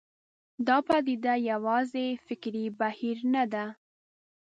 دا پدیده یوازې فکري بهیر نه ده.